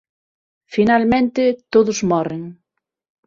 Finalmente todos morren.